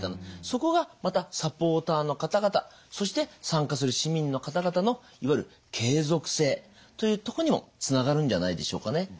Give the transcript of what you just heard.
そこがまたサポーターの方々そして参加する市民の方々のいわゆる継続性というとこにもつながるんじゃないでしょうかね。